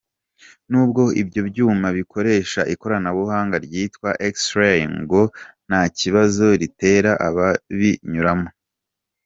Nubwo ibyo byuma bikoresha ikoranabuhanga ryitwa x-ray ngo nta kibazo ritera ababinyuramo.